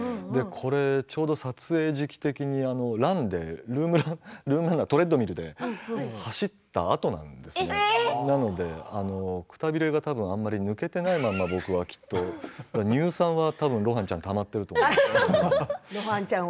ちょうど撮影時期的にルームラントレッドミルで走ったあとなんですねですからくたびれがたぶんあまり抜けていないまま乳酸はたぶん露伴ちゃんたまっていると思います。